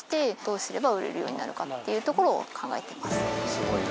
すごいよな。